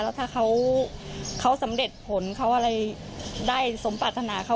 แล้วถ้าเขาสำเร็จผลเขาได้สมปัฏนา